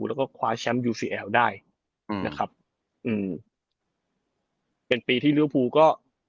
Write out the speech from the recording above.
แล้วก็คว้าแชมป์ยูซีแอลได้อืมนะครับอืมเป็นปีที่ริวภูก็